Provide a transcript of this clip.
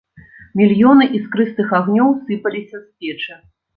Мільёны іскрыстых агнёў сыпаліся з печы.